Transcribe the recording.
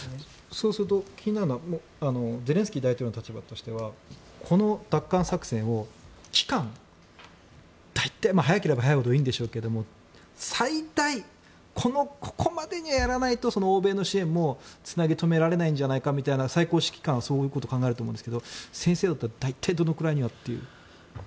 そうすると気になるのはゼレンスキー大統領の立場としてはこの奪還作戦の期間大体、早ければ早いほどいいんでしょうが最大ここまでにはやらないと欧米の支援もつなぎ留められないんじゃないかと、最高指揮官はそういうことを考えると思いますが、先生だったら大体どれくらいにはという。